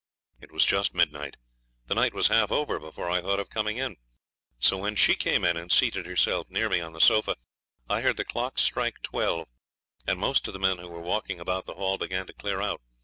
It was just midnight. The night was half over before I thought of coming in. So when she came in and seated herself near me on the sofa I heard the clock strike twelve, and most of the men who were walking about the hall began to clear out.